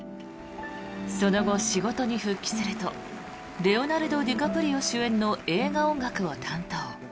その後、仕事に復帰するとレオナルド・ディカプリオ主演の映画音楽を担当。